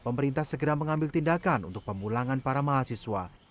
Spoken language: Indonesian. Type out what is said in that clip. pemerintah segera mengambil tindakan untuk pemulangan para mahasiswa